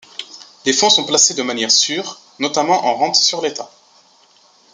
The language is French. Les fonds sont placés de manière sûre, notamment en rente sur l'État.